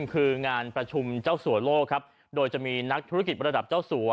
คืองานประชุมเจ้าสัวโลกครับโดยจะมีนักธุรกิจระดับเจ้าสัว